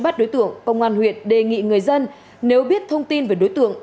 bắt đối tượng công an huyện đề nghị người dân nếu biết thông tin về đối tượng